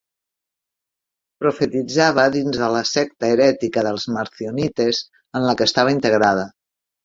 Profetitzava dins de la secta herètica dels Marcionites, en la que estava integrada.